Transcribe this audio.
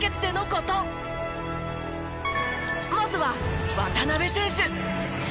まずは渡邊選手。